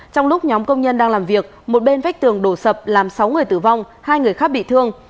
trong lúc nhóm công nhân đang làm việc một bên vách tường đổ sập làm sáu người tử vong hai người khác bị thương